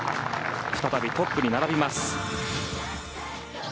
再びトップに並びます。